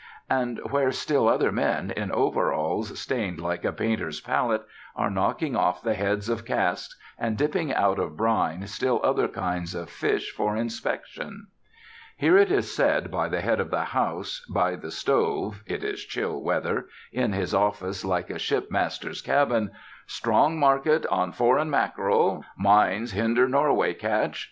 And where still other men, in overalls stained like a painter's palette, are knocking off the heads of casks and dipping out of brine still other kinds of fish for inspection. Here it is said by the head of the house, by the stove (it is chill weather) in his office like a shipmaster's cabin: "Strong market on foreign mackerel. Mines hinder Norway catch.